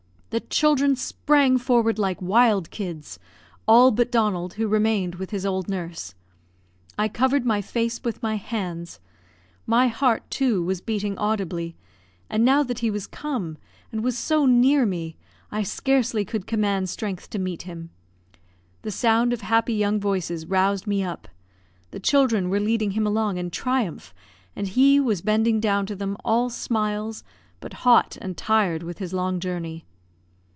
The children sprang forward like wild kids, all but Donald, who remained with his old nurse. I covered my face with my hands; my heart, too, was beating audibly; and now that he was come, and was so near me, I scarcely could command strength to meet him. The sound of happy young voices roused me up; the children were leading him along in triumph; and he was bending down to them, all smiles, but hot and tired with his long journey.